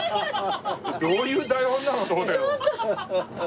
「どういう台本なの？」と思ったけど。